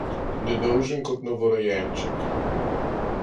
Nedolžen kot novorojenček.